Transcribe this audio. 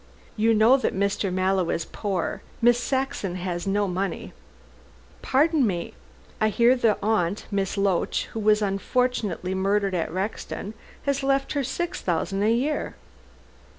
You know that Mr. Mallow is poor. Miss Saxon has no money " "Pardon me. I hear her aunt, Miss Loach, who was unfortunately murdered at Rexton, has left her six thousand a year."